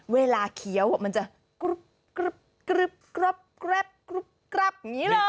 เวลาเคี้ยวอ่ะมันจะกรึบกรึบกรึบกรับกรุบกรับอย่างงี้เลย